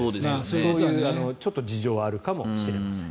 そういう事情はあるかもしれません。